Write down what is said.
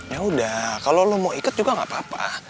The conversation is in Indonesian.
yaudah kalo lo mau ikut juga gak apa apa